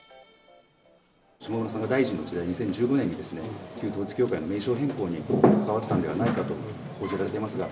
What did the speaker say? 下村さんが大臣の時代、２０１５年に、旧統一教会の名称変更に関わったんではないかと報じられていますが。